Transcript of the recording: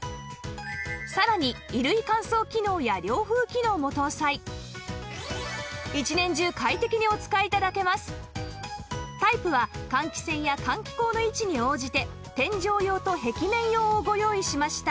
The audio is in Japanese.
さらに１年中快適にお使い頂けますタイプは換気扇や換気口の位置に応じて天井用と壁面用をご用意しました